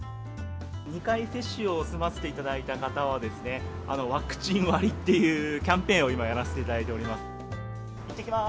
２回接種を済ませていただいた方は、ワクチン割というキャンペーンを今、やらせてもらっています。